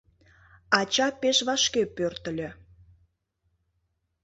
Ача пеш вашке пӧртыльӧ.